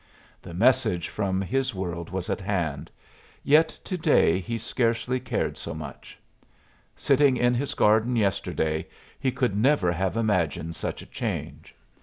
The message from his world was at hand, yet to day he scarcely cared so much. Sitting in his garden yesterday he could never have imagined such a change.